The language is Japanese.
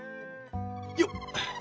よっ。